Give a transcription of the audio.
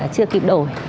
chưa kịp đổi